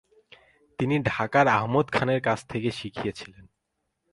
তিনি ঢাকার আহমদ খানের কাছ থেকে শিখেছিলেন।